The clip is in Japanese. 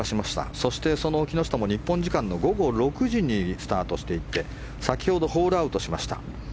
そしてその木下も日本時間午後６時にスタートしていって先ほどホールアウトしました。